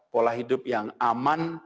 pola hidup yang aman dan yang baik